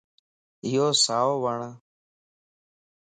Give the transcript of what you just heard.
ايو سائو وڙَ